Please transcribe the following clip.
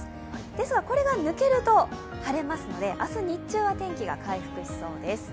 ですが、これが抜けると晴れますので明日日中は天気が回復しそうです。